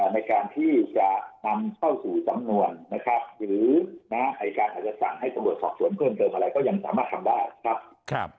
ในการที่จะนำเข้าสู่สำนวนนะครับหรืออายการอาจจะสั่งให้ตำรวจสอบสวนเพิ่มเติมอะไรก็ยังสามารถทำได้ครับ